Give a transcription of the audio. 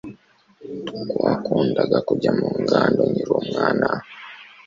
Twakundaga kujya mu ngando nkiri umwana.